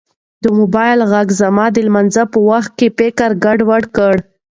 د موبایل غږ زما د لمانځه په وخت کې فکر ګډوډ کړ.